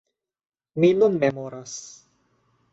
Mi nun memoras.